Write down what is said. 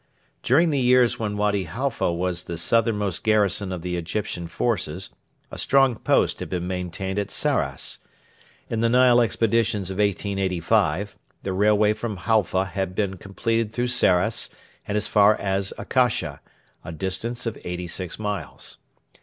During the years when Wady Halfa was the southernmost garrison of the Egyptian forces a strong post had been maintained at Sarras. In the Nile expeditions of 1885 the railway from Halfa had been completed through Sarras and as far as Akasha, a distance of eighty six miles.